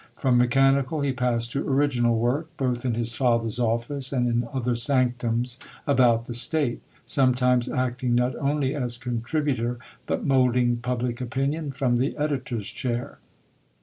From mechanical he passed to original work, both in his father's office and in other sanctums about the state; sometimes acting not only as contributor, but "moulding public opinion" from the editor's chair.